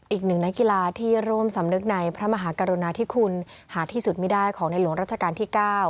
อีกหนึ่งนักกีฬาที่ร่วมสำนึกในพระมหากรุณาธิคุณหาที่สุดไม่ได้ของในหลวงรัชกาลที่๙